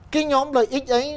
cái nhóm lợi ích ấy